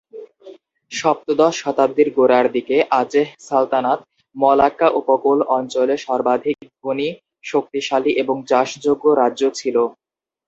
সপ্তদশ শতাব্দীর গোড়ার দিকে আচেহ সালতানাত মালাক্কা উপকূল অঞ্চলে সর্বাধিক ধনী, শক্তিশালী এবং চাষযোগ্য রাজ্য ছিল।